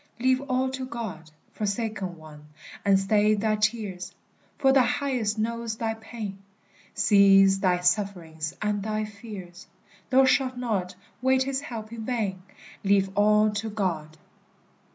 Leave all to God, Forsaken one, and stay thy tears; For the Highest knows thy pain, Sees thy sufferings and thy fears; Thou shalt not wait his help in vain; Leave all to God!